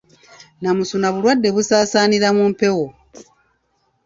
Nnamusuna bulwadde obusaasaanira mu mpewo